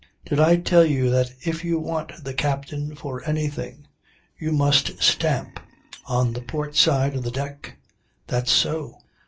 Did I tell you that if you want the captain for anything you must stamp on the port side of the deck? That's so.